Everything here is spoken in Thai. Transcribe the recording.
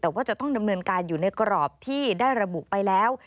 แต่ว่าจะต้องดำเนินการอยู่ในกรอบที่ได้ระบุไปแล้ว